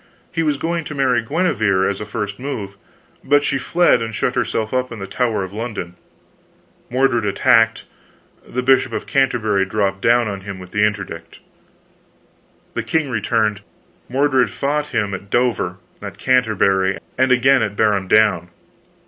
He was going to marry Guenever, as a first move; but she fled and shut herself up in the Tower of London. Mordred attacked; the Bishop of Canterbury dropped down on him with the Interdict. The king returned; Mordred fought him at Dover, at Canterbury, and again at Barham Down.